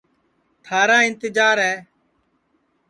تھارا اِنتجار ہے